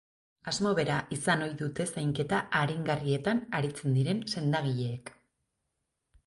Asmo bera izan ohi dute zainketa aringarrietan aritzen diren sendagileek.